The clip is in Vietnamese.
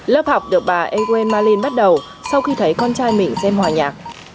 lớp học được bà ewen malin bắt đầu sau khi thấy con trai mình xem hòa nhạc